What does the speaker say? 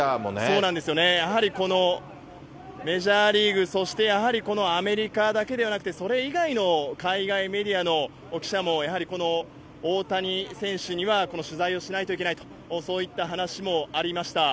そうなんですよね、このめじゃーりーぐ、そしてやはりこのアメリカだけではなくて、それ以外の海外メディアの記者もやはり、大谷選手には取材をしないといけないと、そういった話もありました。